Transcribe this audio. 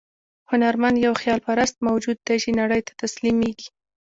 هنرمند یو خیال پرست موجود دی چې نړۍ ته تسلیمېږي.